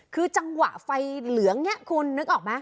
คือจังหวะไฟเหลืองเนี่ยคุณนึกออกไหม